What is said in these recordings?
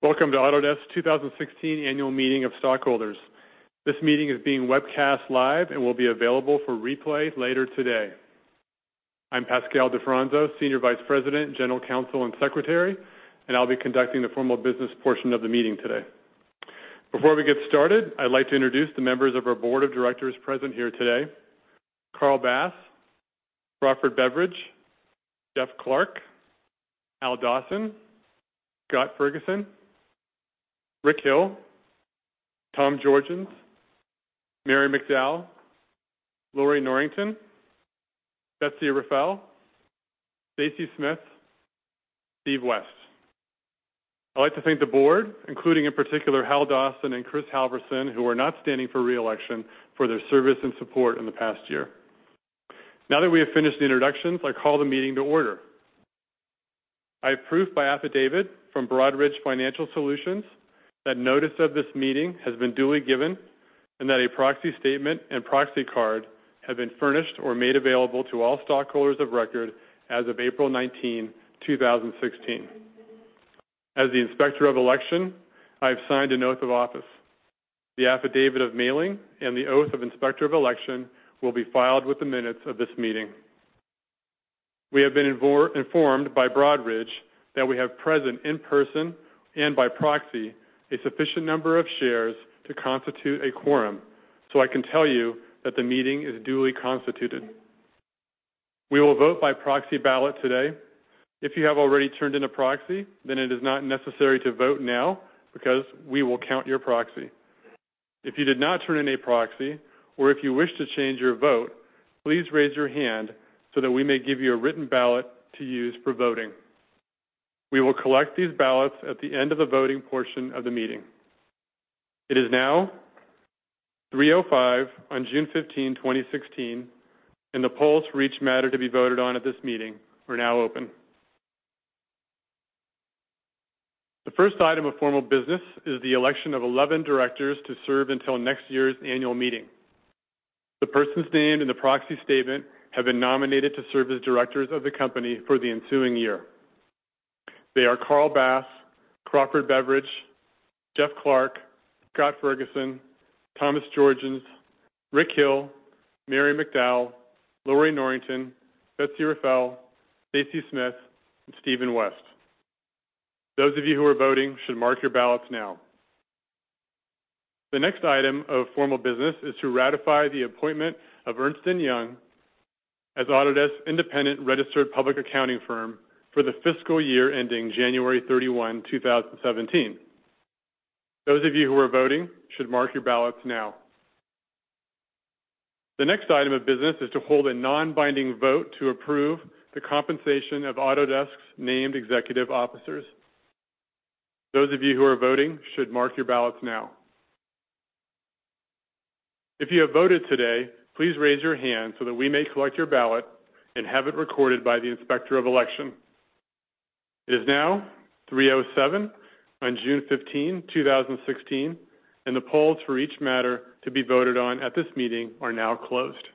Welcome to Autodesk 2016 Annual Meeting of Stockholders. This meeting is being webcast live and will be available for replay later today. I'm Pascal Di Fronzo, Senior Vice President, General Counsel, and Secretary, and I'll be conducting the formal business portion of the meeting today. Before we get started, I'd like to introduce the members of our board of directors present here today. Carl Bass, Crawford Beveridge, Jeff Clarke, Hal Dawson, Scott Ferguson, Rick Hill, Tom Georgens, Mary McDowell, Lorrie Norrington, Betsy Rafael, Stacy Smith, Steve West. I'd like to thank the board, including in particular Hal Dawson and Kristian Halvorsen, who are not standing for re-election, for their service and support in the past year. Now that we have finished the introductions, I call the meeting to order. I have proof by affidavit from Broadridge Financial Solutions that notice of this meeting has been duly given and that a proxy statement and proxy card have been furnished or made available to all stockholders of record as of April 19, 2016. As the Inspector of Election, I have signed an oath of office. The affidavit of mailing and the oath of Inspector of Election will be filed with the minutes of this meeting. We have been informed by Broadridge that we have present in person and by proxy, a sufficient number of shares to constitute a quorum. I can tell you that the meeting is duly constituted. We will vote by proxy ballot today. If you have already turned in a proxy, it is not necessary to vote now because we will count your proxy. If you did not turn in a proxy, or if you wish to change your vote, please raise your hand so that we may give you a written ballot to use for voting. We will collect these ballots at the end of the voting portion of the meeting. It is now 3:05 P.M. on June 15, 2016. The polls for each matter to be voted on at this meeting are now open. The first item of formal business is the election of 11 directors to serve until next year's annual meeting. The persons named in the proxy statement have been nominated to serve as directors of the company for the ensuing year. They are Carl Bass, Crawford Beveridge, Jeff Clarke, Scott Ferguson, Thomas Georgens, Rick Hill, Mary McDowell, Lorrie Norrington, Betsy Rafael, Stacy Smith, and Steven West. Those of you who are voting should mark your ballots now. The next item of formal business is to ratify the appointment of Ernst & Young as Autodesk independent registered public accounting firm for the fiscal year ending January 31, 2017. Those of you who are voting should mark your ballots now. The next item of business is to hold a non-binding vote to approve the compensation of Autodesk's named executive officers. Those of you who are voting should mark your ballots now. If you have voted today, please raise your hand so that we may collect your ballot and have it recorded by the Inspector of Election. It is now 3:07 P.M. on June 15, 2016. The polls for each matter to be voted on at this meeting are now closed.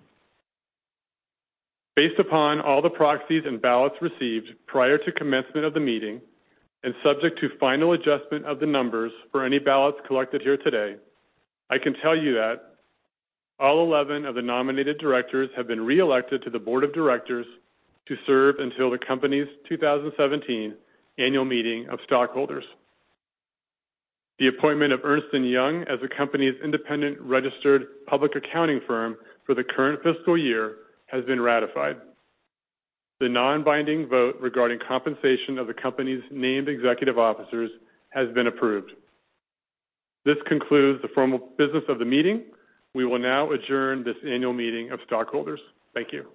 Based upon all the proxies and ballots received prior to commencement of the meeting and subject to final adjustment of the numbers for any ballots collected here today, I can tell you that all 11 of the nominated directors have been re-elected to the board of directors to serve until the company's 2017 annual meeting of stockholders. The appointment of Ernst & Young as the company's independent registered public accounting firm for the current fiscal year has been ratified. The non-binding vote regarding compensation of the company's named executive officers has been approved. This concludes the formal business of the meeting. We will now adjourn this annual meeting of stockholders. Thank you.